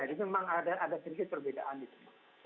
jadi memang ada sedikit perbedaan di sini